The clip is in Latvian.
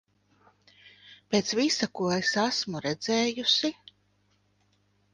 Pēc visa, ko es esmu redzējusi...